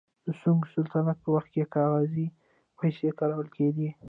د سونګ سلطنت په وخت کې کاغذي پیسې کارول کېدې.